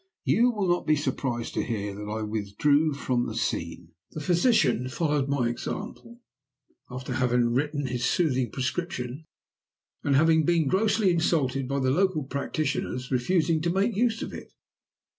You will not be surprised to hear that I withdrew from the scene. The physician followed my example after having written his soothing prescription, and having been grossly insulted by the local practitioner's refusing to make use of it.